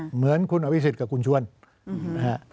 เหมือนคุณอวิสิตกับคุณชวนนะครับ